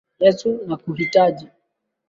Yesu, nakuhitaji.